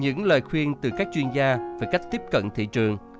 những lời khuyên từ các chuyên gia về cách tiếp cận thị trường